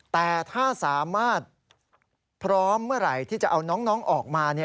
แต่ถ้าสามารถพร้อมเมื่อไหร่ที่จะเอาน้องออกมา